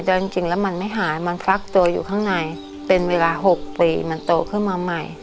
แต่จริงแล้วมันไม่หายมันฟักตัวอยู่ข้างในเป็นเวลา๖ปีมันโตขึ้นมาใหม่